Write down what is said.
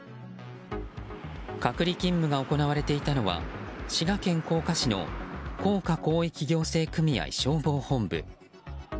隔離勤務が行われていたのは滋賀県甲賀市の甲賀広域行政組合消防本部。